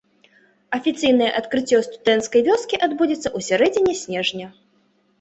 Афіцыйнае адкрыццё студэнцкай вёскі адбудзецца ў сярэдзіне снежня.